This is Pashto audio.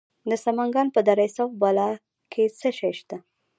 د سمنګان په دره صوف بالا کې څه شی شته؟